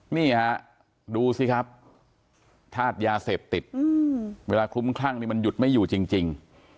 นี่ฮะดูสิครับธาตุยาเสพติดเวลาคลุ้มคลั่งนี่มันหยุดไม่อยู่จริง